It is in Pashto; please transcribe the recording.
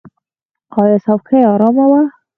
ایا څوکۍ ارامه وه؟